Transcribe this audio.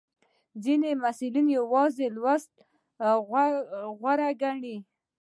ځینې محصلین یوازې لوستل غوره ګڼي.